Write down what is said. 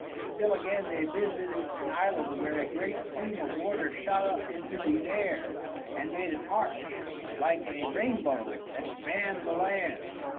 Still again they visited an island where a great stream of water shot up into the air and made an arch like a rainbow that spanned the land.